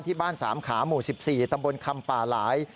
ที่บ้านสามขาหมู่๑๔ตำบลคำป่าหลาย